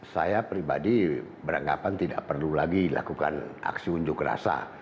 saya pribadi beranggapan tidak perlu lagi lakukan aksi unjuk rasa